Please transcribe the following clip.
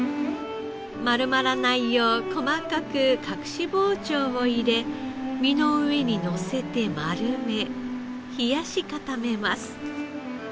丸まらないよう細かく隠し包丁を入れ身の上にのせて丸め冷やし固めます。